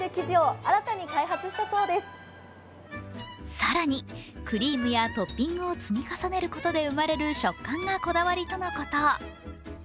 更に、クリームやトッピングを積み重ねることで生まれる食感がこだわりとのこと。